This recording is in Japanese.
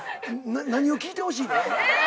何を聞いてほしい？え！